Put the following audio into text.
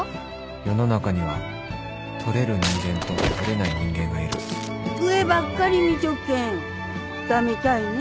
世の中には取れる人間と取れない人間がいる上ばっかり見ちょっけん駄目たいね。